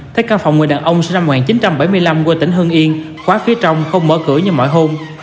thấy căn phòng người đàn ông sinh năm một nghìn chín trăm bảy mươi năm qua tỉnh hương yên quá phía trong không mở cửa như mọi hôm